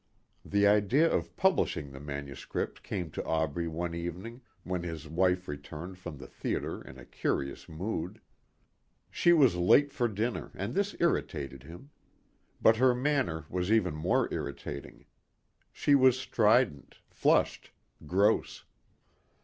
The idea of publishing the manuscript came to Aubrey one evening when his wife returned from the theater in a curious mood. She was late for dinner and this irritated him. But her manner was even more irritating. She was strident, flushed, gross.